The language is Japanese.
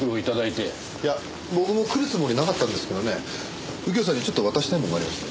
いや僕も来るつもりなかったんですけどね右京さんにちょっと渡したいものがありまして。